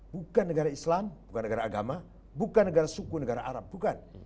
bukan negara islam bukan negara agama bukan negara suku negara arab bukan